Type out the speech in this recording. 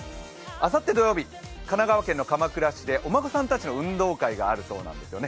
あさって土曜日、神奈川県の鎌倉市でお孫さんたちの運動会があるそうなんですよね